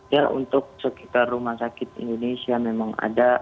ya untuk sekitar rumah sakit indonesia memang ada